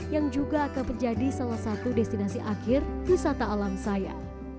yang juga akan menjadi salah satu destinasi akhir pusata alam saya